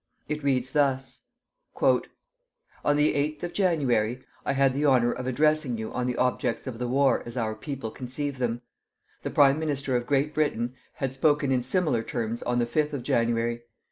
It reads thus: "On the eighth of January, I had the honor of addressing you on the objects of the war as our people conceive them. The Prime Minister of Great Britain had spoken in similar terms on the fifth of January.